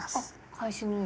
返し縫い。